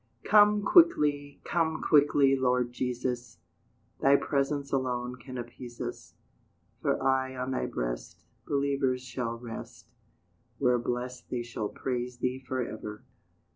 "Come quickly! come quickly, Lord Jesus! Thy presence alone can appease us; For aye on Thy breast Believers shall rest, Where blest they shall praise Thee for ever."